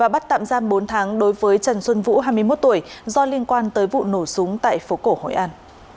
bắt tạm giam bốn tháng đối với trần xuân vũ hai mươi một tuổi do liên quan tới vụ nổ súng tại phố cổ hội an